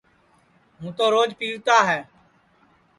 ہوں تو روج پیوتا ہے